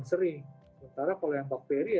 penyebabnya adalah virus yang menyebabkan penyebabnya